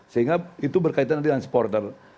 sehingga itu berkaitan dengan supporter